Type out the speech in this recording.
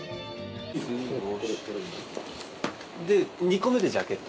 ２個目でジャケット。